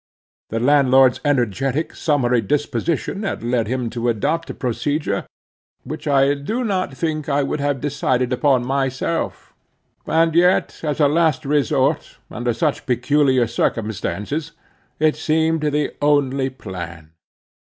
The landlord's energetic, summary disposition had led him to adopt a procedure which I do not think I would have decided upon myself; and yet as a last resort, under such peculiar circumstances, it seemed the only plan.